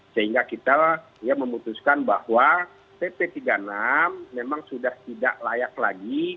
sehingga kita memutuskan bahwa pp tiga puluh enam memang sudah tidak layak lagi